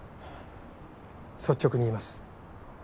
率直に言います。